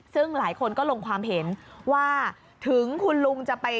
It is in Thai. ซึ่งหลายคนก็ลงความเห็นว่าถึงคุณลุงจะไป